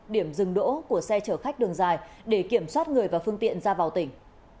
điểm dừng đỗ của xe chở khách đường dài để kiểm soát người và phương tiện ra vào tỉnh